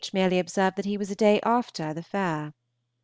merely observed that he was a day after "the fair."